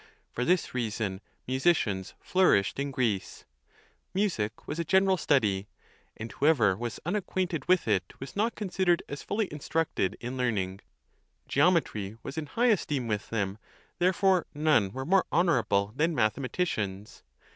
For this reason mu sicians flourished in Greece; music was a general study ; and whoever was unacquainted with it was not considered as fully instructed in learning. Geometry was in high es teem with them, therefore none were more honorable than mathematicians.